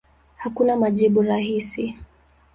Hakuna majibu rahisi.